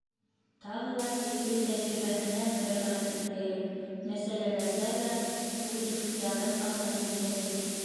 Тағы ла сит ил тәжрибәһенә мөрәжәғәт итәйек. мәсьәләләрҙә лә үҙ ихтыярын алдан билдәләй.